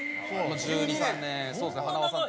１２１３年そうですね塙さん。